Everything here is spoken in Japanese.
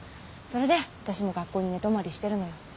それで私も学校に寝泊まりしてるのよ。